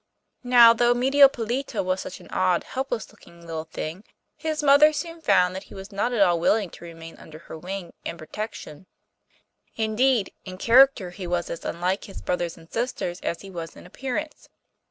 Now though Medio Pollito was such an odd, helpless looking little thing, his mother soon found that he was not at all willing to remain under her wing and protection. Indeed, in character he was as unlike his brothers and sisters as he was in appearance.